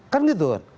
kan gitu kan